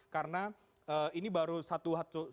karena ini baru satu atau dua hari